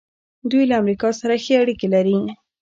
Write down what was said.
دوی له امریکا سره ښې اړیکې لري.